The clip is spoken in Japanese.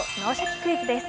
クイズ」です。